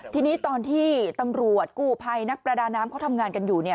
ทีนี้ตอนที่ตำรวจกู้ภัยนักประดาน้ำเขาทำงานกันอยู่